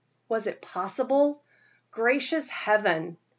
Was it possible gracious Heaven!